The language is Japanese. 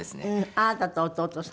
あなたと弟さん？